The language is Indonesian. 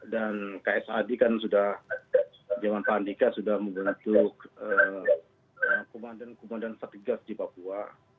dan ksad kan sudah zaman pahandika sudah membentuk komandan koman dan satgas di papua